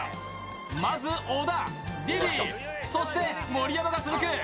まず小田、リリー、そして盛山が続く。